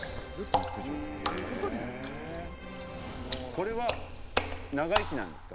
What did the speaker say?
これは長生きなんですか？